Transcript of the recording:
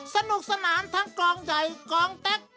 สนุกสนานทั้งกองใหญ่กองเต็ก